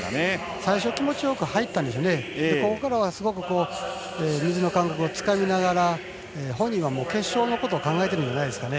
最初は気持ちよく入ったんですがそこからは水の感覚をつかみながら本人は決勝のことを考えてるんじゃないですかね。